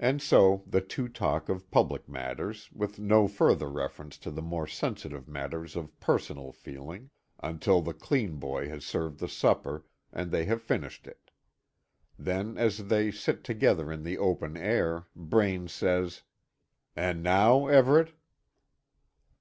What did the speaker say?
And so the two talk on of public matters, with no further reference to the more sensitive matters of personal feeling, until the clean boy has served the supper, and they have finished it. Then, as they sit together in the open air, Braine says: "And now, Everet?"